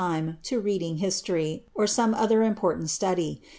97 tHDe to reading history, or some other important study.